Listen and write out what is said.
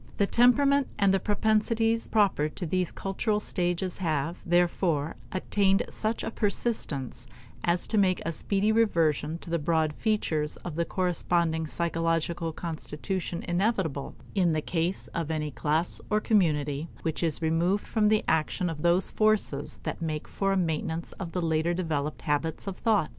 The temperament and the propensities proper to those cultural stages have, therefore, attained such a persistence as to make a speedy reversion to the broad features of the corresponding psychological constitution inevitable in the case of any class or community which is removed from the action of those forces that make for a maintenance of the later developed habits of thought.